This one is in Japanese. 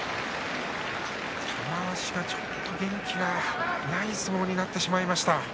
玉鷲が、ちょっと元気がない相撲になってしまいました。